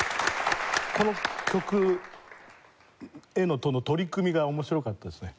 この曲への取り組みが面白かったですね。